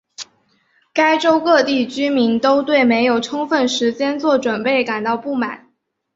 该州各地居民都对没有充分时间做准备感到不满。